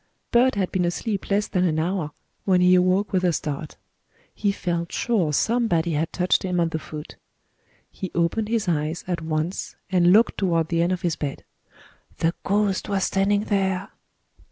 Bert had been asleep less than an hour when he awoke with a start. He felt sure somebody had touched him on the foot. He opened his eyes at once and looked toward the end of his bed. _The ghost was standing there!